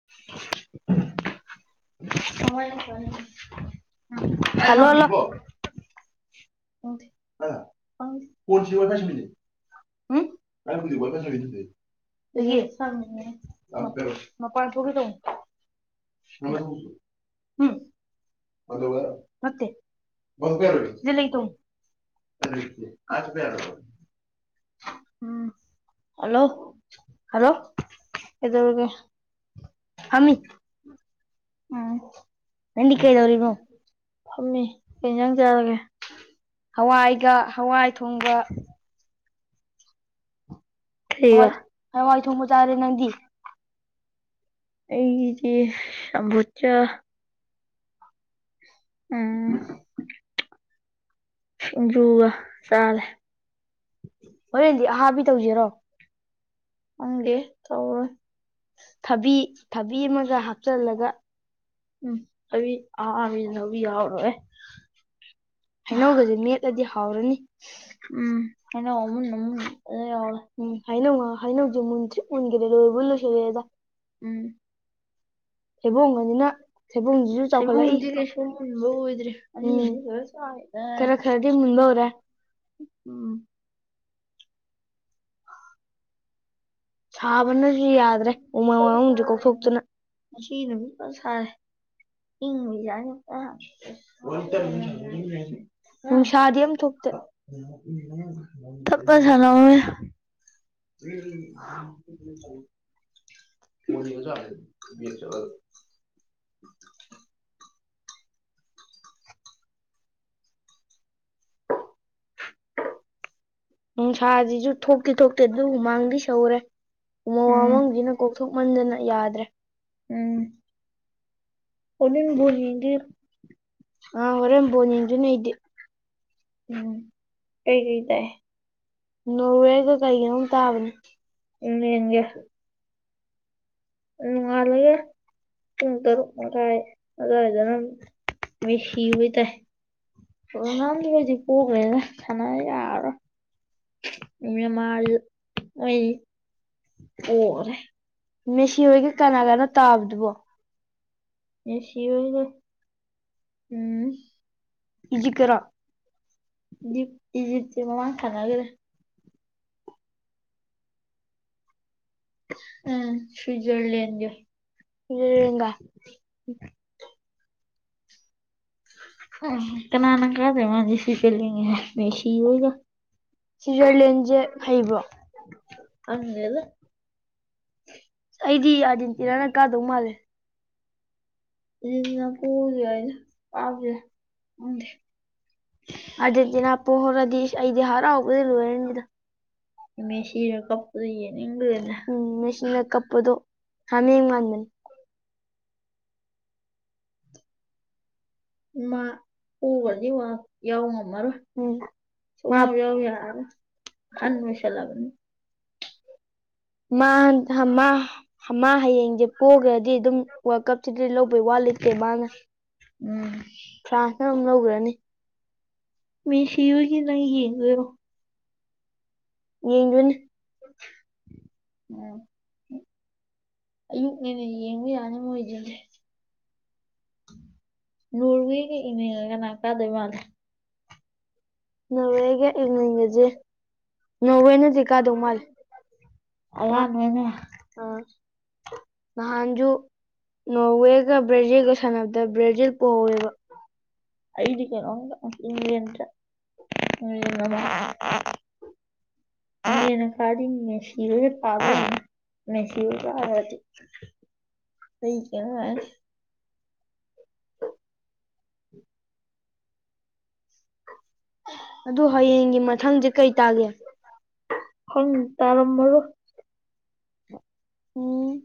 [unintelligible] [inaudible] Hello hello ꯑ ꯀꯟꯁꯤꯕꯀꯁꯃꯤꯅꯤ ꯎ ꯀꯥꯏ ꯄꯨ ꯋꯥꯣꯏ ꯄꯁ ꯁꯥ ꯊ ꯎ ꯑꯒꯔ ꯄꯔ ꯑꯁꯨꯕꯔ ꯎꯝ ꯍꯜꯂꯣ ꯍꯂꯣ ꯑꯦꯗꯣꯒ ꯎꯝ ꯐꯝꯃꯤ ꯀꯩ ꯏꯟꯖꯥꯡ ꯆꯥꯔꯒꯦ ꯍꯋꯥꯏꯒ ꯍꯋꯥꯏ ꯊꯣꯡꯕ ꯍꯋꯥꯏ ꯍꯋꯥꯏ ꯊꯣꯡꯕ ꯆꯥꯔꯦ ꯅꯪꯗꯤ ꯑꯩꯖꯤ ꯁꯝꯕꯨꯆ ꯎꯝ [inaudible] ꯁꯤꯡꯖꯨꯒ ꯆꯥꯔꯦ ꯍꯣꯔꯦꯟꯗꯤ ꯑꯍꯥꯕꯤ ꯇꯧꯖꯔꯣ ꯈꯪꯗꯦ ꯇꯧꯔꯣꯏ꯫ ꯊꯕꯤ ꯊꯕꯤ ꯑꯃꯒ ꯍꯥꯞꯆꯜꯂꯒ [inaudible] [inaudible] ꯎꯝ ꯍꯩꯅꯧ ꯑꯃꯨꯟꯕ ꯃꯥ ꯌꯥꯎꯔꯦ꯫ ꯎꯝ ꯍꯩꯅꯧꯉ ꯍꯅꯧꯁꯦ ꯃꯨꯟꯇ꯭ꯔꯤꯛ ꯃꯨꯟꯒꯤꯗ ꯂꯣꯏꯕꯨ ꯂꫭꯏꯁꯜꯂꯛꯑꯦꯗ꯫ ꯎꯝ꯫ ꯊꯩꯕꯣꯡꯒꯅꯤꯅ ꯊꯩꯕꯣꯡꯁꯤꯁꯨ ꯆꯥꯎꯈꯠꯂꯛꯏ ꯎꯝ꯫ ꯈꯔ ꯈꯔꯗꯤ ꯃꯨꯕ ꯍꯧꯔꯦ꯫ ꯎꯝ꯫ ꯁꯥꯕꯅꯁꯨ ꯌꯥꯗ꯭ꯔꯦ ꯎꯃꯪ ꯋꯥꯃꯪꯁꯨ ꯀꯣꯛꯊꯣꯛꯇꯨꯅ꯫ ꯉꯁꯥ ꯅꯨꯃꯤꯠ ꯐꯅ ꯁꯥꯔꯦ ꯏꯪꯕꯅ ꯑꯌꯨꯛꯇ [inaudible] [inaudible] [inaudible] ꯅꯨꯡꯁꯥꯁꯤꯁꯨ ꯊꯣꯛꯇꯤ ꯊꯣꯛꯇꯦ ꯑꯗꯨ ꯍꯨꯃꯥꯡꯗꯤ ꯁꯧꯔꯦ꯫ ꯎꯃꯪ ꯋꯥꯃꯪꯁꯤꯅ ꯀꯣꯛꯊꯣꯛꯃꯟꯗꯅ ꯌꯥꯗ꯭ꯔꯦ꯫ ꯎꯝ꯫ ꯍꯣꯔꯦꯟ ꯕꯣꯜ ꯌꯦꯡꯒꯦ꯫ [inaudible] ꯑꯗꯨꯅꯩꯗꯤ꯫ ꯎꯝ ꯀꯩ ꯀꯩ ꯇꯥꯏ꯫ [inaudible] ꯎꯝꯌꯦꯡꯒꯦ꯫ ꯅꯣꯡꯉꯥꯜꯂꯒꯦ ꯄꯨꯡ ꯇꯔꯨꯛ ꯃꯈꯥꯏ ꯑꯗꯨꯋꯥꯏꯗꯅ [inaudible] ꯄꯣꯛꯈ꯭ꯔꯦꯗ ꯁꯥꯟꯅ ꯌꯥꯔꯣꯏ ꯅꯦꯃꯥꯔꯁꯨ ꯃꯣꯏ ꯄꯣꯔꯦ꯫ [inaudible] ꯃꯦꯁꯤ ꯍꯣꯏꯒ ꯎꯝ꯫ [inaudible] ꯗꯤꯞꯇꯤ ꯖꯤꯞꯇꯤ ꯃꯃꯥꯡ ꯁꯥꯟꯅꯒꯔꯦ꯫ ꯑ ꯁ꯭ꯋꯤꯠꯖꯔꯂꯦꯟꯒ꯫ [inaudible] [unintelligible] ꯀꯅꯥꯅ ꯀꯥꯗꫭꯏ ꯃꯥꯜꯂꯤ꯫ [inaudible] ꯃꯦꯁꯤ ꯑꯣꯏꯒ꯫ [inaudible] ꯑꯪꯗꯦꯗ꯫ ꯑꯩꯗꯤ ꯑꯥꯔꯖꯦꯟꯇꯤꯅꯥꯅ ꯀꯥꯗꯧ ꯃꯥꯜꯂꯦ꯫ [inaudible] ꯑꯥꯔꯖꯦꯟꯇꯤꯅꯥ ꯄꯣꯍꯧꯔꯗꯤ ꯑꯩꯗꯤ ꯍꯔꯥꯎꯕꯗꯤ ꯂꫭꯏꯔꯅꯤꯗ ꯃꯦꯁꯤꯔ ꯀꯞꯄꯗꫭ ꯌꯦꯡꯅꯤꯡꯒ꯭ꯔꯦꯅꯦ꯫ ꯃꯥ ꯄꫭꯒ꯭ꯔꯗꯤ ꯋꯥ ꯌꯥꯎ ꯉꯝꯃꯔꫭꯏ ꯁꯨꯉꯌꯥꯎ ꯌꯥꯎ ꯌꯥꯔꫭꯏ ꯍꯟ ꯑꫭꯏꯁꯤꯜꯂꯕꯅꯤ꯫ ꯃꯥꯟ ꯍ ꯃꯥ ꯃꯥ ꯍꯌꯦꯡꯁꯦ ꯄꯣꯛꯈ꯭ꯔꯗꯤ ꯑꯗꯨꯝ ꯋꯥꯜꯀꯞ ꯆꯤꯗꯤ ꯂꯧꯕꯩ ꯋꯥ ꯂꯩꯇꯦ ꯃꯥꯅ꯫ [inaudible] ꯃꯦꯁꯤꯍꫭꯏꯒꯤ ꯅꫭꯏ ꯌꯦꯡꯗꫭꯏꯔꫭ꯫ [inaudible] ꯑꯌꯨꯛꯅꯦꯅꯦ ꯌꯦꯡꯕ ꯌꯥꯅꯤ ꯃꯣꯏꯗꯨꯗꯤ꯫ ꯅꫭꯔꯋꯦꯤ ꯏꯪꯂꯦꯟꯒ ꯀꯅꯥ ꯀꯥꯗꫭꯏ ꯃꯥꯜꯂꯤ꯫ ꯅꯣꯔꯋꯦꯒ ꯏꯪꯂꯦꯟꯒꯁꯦ ꯅꯣꯔꯋꯦꯅꯗꯤ ꯀꯥꯗꯧ ꯃꯥꯜꯂꯦ꯫ [inaudible] ꯅꯍꯥꯟꯖꯨ ꯅꯣꯔꯋꯦꯒ ꯕ꯭ꯔꯥꯖꯤꯜꯒ ꯁꯥꯟꯅꯕꯗ ꯕ꯭ꯔꯥꯖꯤꯜ ꯄꫭꯍꯧꯋꯦꯕ꯫ [inaudible] [inaudible] [inaudible] ꯑꯗꯨ ꯍꯌꯦꯡꯒꯤ ꯃꯊꯪꯖꯦ ꯀꯩ ꯇꯥꯒꯦ꯫ ꯈꯪ ꯇꯥꯔꯝꯃꯔꫭꯏ꯫ ꯑꯣ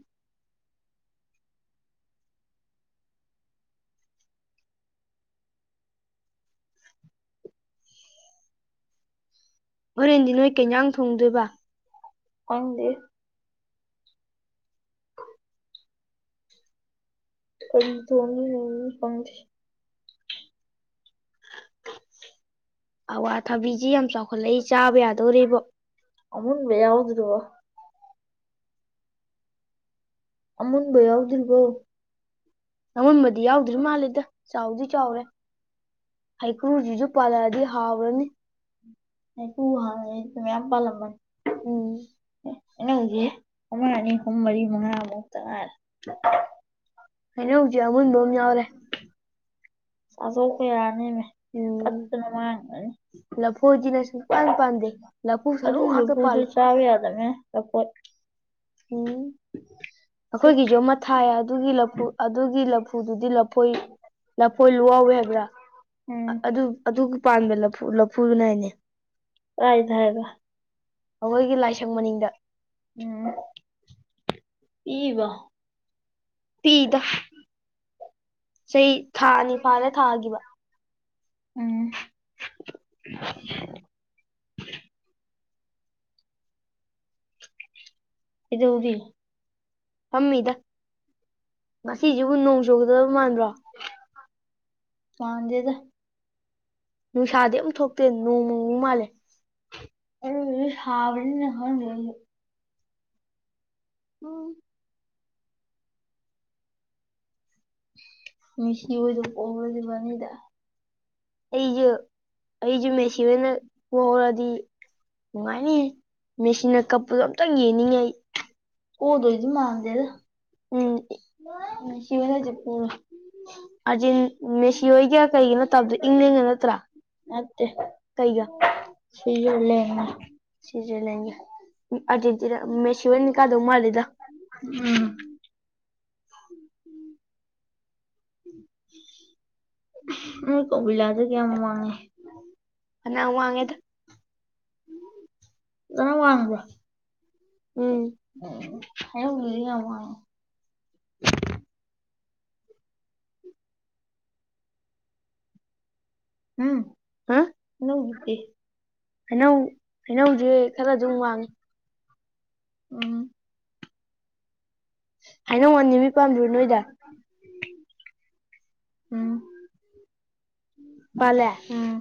ꯍꯣꯔꯦꯟꯗꯤ ꯅꯣꯏ ꯀꯩꯟꯖꯥꯡ ꯊꯣꯡꯗꯣꯏꯕ ꯈꯪꯗꯦ ꯀꯔꯤ ꯊꯣꯡꯗꯣꯏꯅꯣꯖꯨ ꯈꯪꯗꯦ ꯑꯋꯥꯊꯥꯕꯤꯁꯤ ꯌꯥꯝ ꯆꯥꯎꯈꯠꯂꯛꯏ ꯆꯥꯕ ꯌꯥꯗꯧꯔꯦꯕꯣ ꯑꯃꯨꯟꯕ ꯌꯥꯎꯗꯨꯗꯨꯕꯣ ꯑꯃꯨꯟꯕ ꯌꯥꯎꯗ꯭ꯔꯤꯕꯣ ꯑꯃꯨꯟꯕꯗꯤ ꯌꯥꯎꯗ꯭ꯔꯤ ꯃꯥꯜꯂꯦꯗ ꯆꯥꯎꯗꯤ ꯆꯥꯎꯔꯦ ꯍꯩꯀ꯭ꯔꯨꯖꯤꯁꯨ ꯄꯥꯜꯂꯛꯑꯗꯤ ꯍꯥꯎ꯭ꯔꯅꯤ ꯍꯩꯀ꯭ꯔꯨ [unintelligible] ꯃꯌꯥꯝ ꯄꯥꯜꯂꯝꯃꯥꯅꯤ ꯑꯦ ꯅꯪꯖꯤ ꯑꯃꯥ ꯑꯅꯤ ꯍꯨꯝ ꯃꯔꯤ ꯃꯉꯥ ꯃꯨꯛꯇꯥꯉꯥꯏꯔꯦ [inaudible] [unintelligible] ꯆꯥꯊꯣꯛꯄ ꯌꯥꯔꯅꯦꯃꯦ ꯄꯠꯇꯅ ꯃꯥꯡꯒꯔꯥꯅꯤ [unintelligible] ꯑꯗꯨ ꯂꯐꯣꯏꯗꯣ ꯆꯥꯕ ꯌꯥꯗꯝꯅꯦ ꯂꯐꯣꯏ ꯎꯝ ꯑꯩꯈꯣꯏꯒꯤꯁꯨ ꯑꯃ ꯊꯥꯏ ꯑꯗꯨꯒꯤ ꯂꯐꯨ ꯑꯗꯨꯒꯤ ꯂꯐꯨꯗꯨꯗꯤ ꯂꯐꯣꯏ ꯂꯐꯣꯏ ꯂꯨꯋꯥꯎꯕꯤ ꯍꯥꯏꯕ꯭ꯔꯥ ꯑꯗꯨ ꯑꯗꯨꯒꯤ ꯄꯥꯟꯕ ꯂꯐꯨ ꯂꯐꯨꯗꯨꯅ ꯍꯥꯏꯅꯦ [unintelligible] ꯑꯩꯈꯣꯏꯒꯤ ꯂꯥꯏꯁꯪ ꯃꯅꯤꯡꯗꯥ ꯎꯝ ꯄꯤꯏꯕꯣ ꯄꯤꯛꯏꯗꯥ ꯆꯍꯤ ꯊꯥꯅꯤ ꯐꯥꯔꯦ ꯊꯥꯒꯤꯕ ꯎꯝ [inaudible] ꯀꯩꯗꯧꯔꯤ ꯐꯝꯃꯤꯗ ꯉꯁꯤꯁꯤꯕꯨ ꯅꯣꯡ ꯆꯨꯒꯗꯕ ꯃꯥꯟꯕ꯭ꯔꯣ ꯃꯥꯟꯗꯦꯗ ꯅꯨꯡꯁꯥꯗꯤ ꯑꯝ ꯊꯣꯛꯇꯦ ꯅꯣꯡꯃꯪꯕ ꯃꯥꯜꯂꯦ ꯑꯗꯨꯏꯁꯨ ꯁꯥꯕꯅꯤꯅ ꯈꯪꯗꯦ ꯑꯩꯗꯤ ꯎꯝ ꯃꯦꯁꯤ ꯍꯣꯏꯗꯣ ꯄꯣꯍꯧꯔꯗꯤ ꯐꯅꯤꯗ ꯑꯩꯁꯨ ꯑꯩꯁꯨ ꯃꯦꯁꯤ ꯍꯣꯏꯅ ꯄꯣꯍꯧꯔꯗꯤ ꯅꯨꯡꯉꯥꯏꯅꯤꯍꯦ ꯃꯦꯁꯤꯅ ꯀꯞꯄꯗꯣ ꯑꯝꯇꯪ ꯌꯦꯡꯅꯤꯡꯉꯤ ꯑꯩ ꯎꯝ [unintelligible] ꯑꯔꯖꯦꯟ ꯃꯦꯁꯤꯍꯣꯏꯒ ꯀꯩꯒꯅꯣ ꯇꯥꯕꯗꯣ ꯏꯪꯪꯂꯦꯟꯒ ꯅꯠꯇ꯭ꯔꯥ ꯅꯠꯇꯦ ꯁꯨꯏꯖꯔꯂꯦꯟꯒ ꯁꯨꯏꯖꯔꯂꯦꯟꯒ [unintelligible] ꯎꯝ [unintelligible] ꯅꯣꯏ ꯀꯧꯕꯤꯂꯥꯗꯣ ꯀꯌꯥꯝ ꯋꯥꯡꯉꯤ ꯌꯥꯝ ꯋꯥꯡꯉꯤ ꯐꯖꯅ ꯋꯥꯡꯕ꯭ꯔꯣ ꯎꯝ ꯍꯩꯅꯧ ꯗꯨꯗꯤ ꯌꯥꯝ ꯋꯥꯡꯉꯤ ꯍꯨꯝ ꯍꯩꯅꯧꯗꯨꯗꯤ ꯍꯩꯅꯧ ꯍꯩꯅꯧꯁꯦ ꯈꯔ ꯑꯗꯨꯝ ꯋꯥꯡꯉꯤ ꯎꯝ ꯍꯩꯅꯧ ꯑꯅꯤꯗꯤ ꯄꯥꯟꯕꯔꯣ [inaudible] ꯄꯥꯜꯂꯦ ꯎꯝ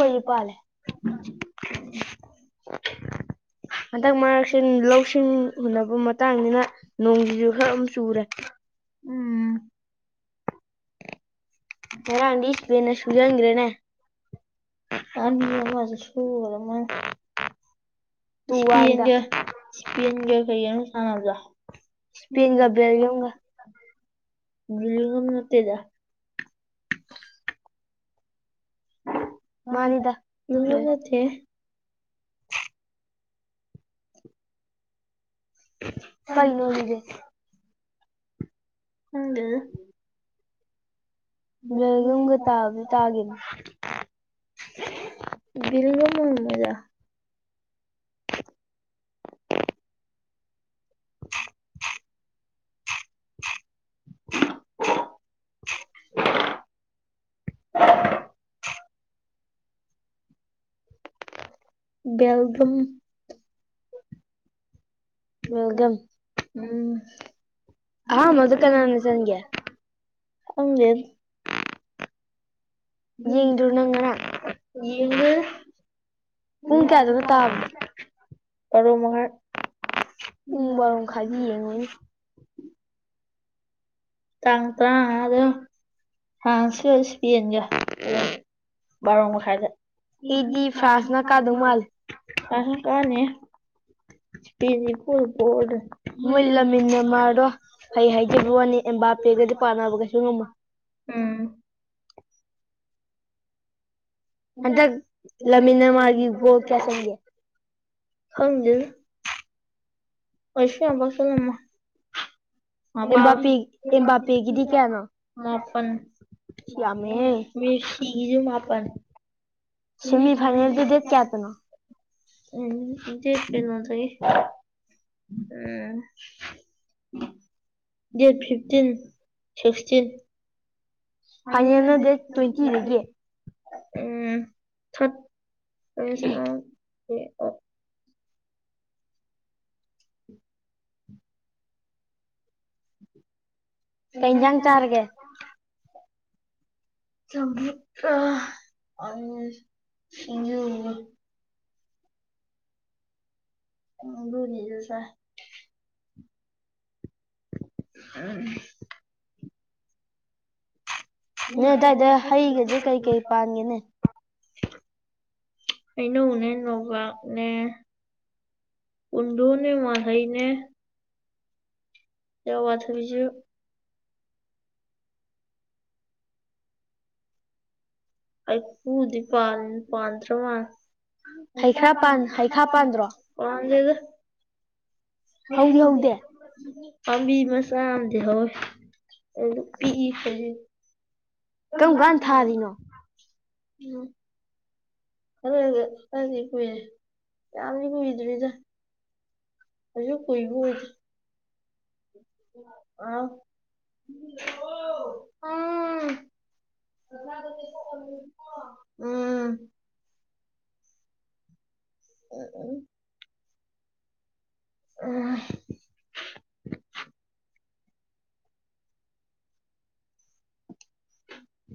ꯑꯩꯈꯣꯏꯗꯤ ꯄꯥꯟꯗꯦ [unintelligible] ꯍꯟꯗꯛ ꯃꯔꯛꯁꯤ ꯂꯧꯁꯤꯡ ꯍꯨꯟꯅꯕ ꯃꯇꯥꯡꯅꯤꯅ ꯅꯣꯡꯁꯤꯁꯨ ꯈꯔ ꯑꯗꯨꯝ ꯆꯨꯔꯦ ꯉꯔꯥꯡꯗꯤ ꯏꯁꯄꯦꯟꯅ ꯁꯨꯖꯪꯒ꯭ꯔꯦꯅꯦ ꯑꯅꯤ ꯑꯃꯗ ꯁꯨꯒ꯭ꯔꯥ ꯃꯥꯜ ꯏꯁꯄꯦꯟꯒ ꯏꯁꯄꯦꯟꯒ ꯀꯩꯒꯅꯣ ꯁꯥꯟꯅꯕꯗꯣ ꯏꯁꯄꯦꯟꯒ ꯕꯦꯂꯤꯌꯨꯝꯒ ꯕꯦꯂꯤꯡꯒꯝ ꯅꯠꯇꯦꯗ [unintelligible] ꯕꯦꯂꯤꯡꯒꯝ ꯅꯠꯇꯦ [unintelligible] ꯀꯩꯩꯅꯣ ꯑꯗꯨꯗꯤ ꯈꯪꯗꯦꯗ ꯕꯦꯜꯌꯨꯝꯒ ꯇꯥꯕꯨꯗꯤ ꯇꯥꯒꯤꯝ [unintelligible] ꯕꯦꯂꯤꯡꯒꯝ ꯑꯣꯏꯔꯝꯃꯣꯏꯗ [unintelligible] [unintelligible] ꯕꯦꯜꯒꯨꯝ [unintelligible] ꯎꯝ ꯑꯍꯥꯟꯕꯗ ꯀꯅꯅꯥ ꯆꯟꯒꯦ ꯈꯪꯗꯦ ꯌꯦꯡꯗ꯭ꯔꯣ ꯅꯪ ꯉꯔꯥꯡ ꯌꯦꯡꯗꯦ ꯄꯨꯡ ꯀꯌꯥꯗꯅꯣ ꯇꯥꯥꯕꯗꯣ [unintelligible] ꯎꯝ ꯕꯥꯔꯣ ꯃꯈꯥꯏꯗ ꯌꯦꯡꯉꯨꯅꯤ ꯇꯥꯡ ꯇꯔꯥꯃꯉꯥꯗ ꯐ꯭ꯔꯥꯟꯁꯀꯥ ꯏꯁꯄꯦꯟꯒ ꯕꯥꯔꯣ ꯃꯈꯥꯏꯗ [unintelligible] ꯐ꯭ꯔꯥꯟꯁꯅ ꯀꯅꯤꯌꯦ ꯄꯦꯟꯗꯤ ꯄꯣꯗꯨ ꯄꯣꯔꯥꯗꯨꯟ [unintelligible] [unintelligible] ꯄꯥꯟꯅꯕ ꯀꯩꯁꯨ ꯉꯝꯃꯨꯏ ꯎꯝ ꯍꯟꯗꯛ ꯂꯃꯤꯟ ꯅꯦꯃꯥꯔꯒꯤ ꯒꯣꯜ ꯀꯌꯥ ꯆꯟꯒꯦ ꯈꯪꯗꯦꯗ ꯀꯩꯁꯨ ꯌꯥꯝ ꯄꯥꯛ ꯆꯟꯂꯝꯃꯣꯏ ꯃꯄꯥ ꯑꯦꯝꯕꯥꯄꯦ ꯑꯦꯝꯕꯥꯄꯦꯒꯤꯗꯤ ꯀꯌꯥꯅꯣ ꯃꯥꯄꯟ ꯌꯥꯝꯃꯦꯍꯦ ꯃꯦꯁꯤꯒꯤꯁꯨ ꯃꯥꯄꯟ ꯁꯦꯃꯤ ꯐꯥꯏꯅꯦꯜꯖꯦ ꯗꯦꯠ ꯀꯌꯥꯗꯅꯣ ꯎꯝ ꯗꯦꯠ ꯀꯩꯅꯣꯗꯒꯤ ꯎꯝ ꯗꯦꯠ ꯐꯤꯐꯇꯤꯟ ꯁꯤꯛꯁꯇꯤꯟ ꯐꯥꯏꯅꯦꯜꯅ ꯗꯦꯠ ꯇ꯭ꯋꯦꯜꯇꯤꯗꯒꯤ ꯎꯝ ꯊꯠ [unintelligible] ꯀꯩ ꯏꯟꯖꯥꯡ ꯆꯥꯔꯒꯦ ꯆꯝꯐꯨꯠꯀꯥ [unintelligible] ꯁꯤꯡꯖꯨꯒ ꯎꯝ [unintelligible] [unintelligible] ꯅꯣꯏ ꯑꯗꯥꯏꯗ ꯍꯩꯒꯁꯦ ꯀꯩ ꯀꯩ ꯄꯥꯟꯒꯦꯅꯦ ꯍꯩꯅꯧꯅꯦ ꯅꯣꯕꯥꯞꯅꯦ ꯄꯨꯟꯗꯣꯟꯅꯦ ꯃꯣꯜꯍꯩꯅꯦ ꯑꯋꯥꯊꯕꯤꯁꯨ ꯍꯩꯀ꯭ꯔꯨꯗ ꯄꯥꯟ ꯄꯥꯟꯗ꯭ꯔ ꯃꯥꯜꯂꯦ ꯍꯩꯈꯥ ꯄꯥꯟ ꯍꯩꯈꯥ ꯄꯥꯟꯗ꯭ꯔꯣ ꯄꯥꯟꯗꯦꯗ ꯍꯩꯅꯧꯗ [unintelligible] ꯄꯥꯝꯕꯤ ꯃꯆꯥ ꯑꯃꯗꯤ ꯍꯧꯋꯦ ꯑꯗꯨ ꯄꯤꯛꯏ ꯈꯧꯖꯤꯛ ꯀꯝ ꯀꯥꯟ ꯊꯥꯔꯤꯅꯣ ꯎꯝ ꯈꯔꯒ ꯈꯔꯗꯤ ꯀꯨꯏꯔꯦ ꯌꯥꯝꯗꯤ ꯀꯨꯏꯗ꯭ꯔꯤꯗ ꯑꯗꯨ ꯀꯣꯏꯕꯨ ꯑꯣꯏꯗ ꯑꯥ ꯎꯝ ꯎ ꯎꯝ ꯑꯣ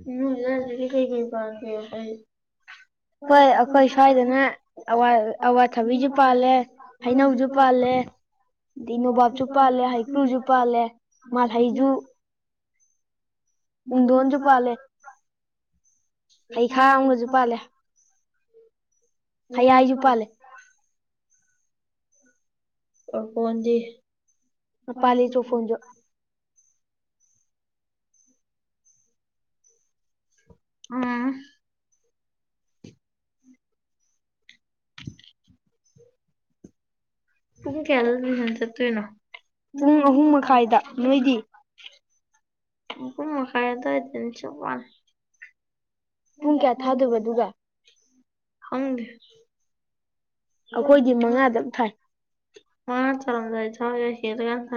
ꯎꯝ ꯀꯩ ꯀ ꯄꯥꯔ ꯍꯣꯏ ꯑꯩꯈꯣꯏ ꯁ꯭ꯋꯥꯏꯗꯅ ꯑꯋꯥꯊꯕꯤꯁꯨ ꯄꯥꯜꯂꯦ ꯍꯩꯅꯧꯁꯨ ꯄꯥꯜꯂꯦ ꯑꯩ ꯅꯣꯕꯥꯞꯁꯨ ꯄꯥꯜꯂꯦ ꯍꯩꯀ꯭ꯔꯨꯁꯨ ꯄꯥꯜꯂꯦ ꯃꯥꯜꯍꯩꯁꯨ ꯍꯨꯝꯗꯣꯟꯁꯨ ꯄꯥꯜꯂꯦ ꯍꯩꯈꯥ ꯑꯒꯁꯨ ꯄꯥꯜꯂꯦ ꯍꯌꯦꯏꯁꯨꯨ ꯄꯥꯜꯂꯦ ꯄꯂꯤ ꯆꯧ ꯐꯣꯟ ꯎꯝ ꯄꯨꯡ ꯀꯌꯥꯗ ꯃꯤꯁꯟ ꯆꯠꯇꯣꯏꯅꯣ ꯃ ꯈꯗꯁꯨ ꯋꯥ ꯗ ꯍꯪ ꯑꯩꯈꯣꯏꯗꯤ ꯃꯉꯥꯗꯪ ꯊꯥꯏ ꯃꯥ ꯆꯔꯝꯗꯥꯏ ꯆ ꯍꯦꯔꯒꯥꯟ ꯊ